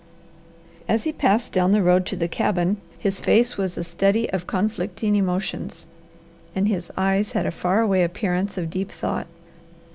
As he passed down the road to the cabin his face was a study of conflicting emotions, and his eyes had a far away appearance of deep thought.